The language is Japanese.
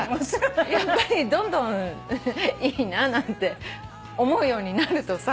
やっぱりどんどんいいななんて思うようになるとさ。